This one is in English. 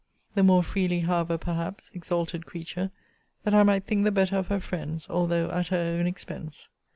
The more freely, however, perhaps, (exalted creature!) that I might think the better of her friends, although at her own expense.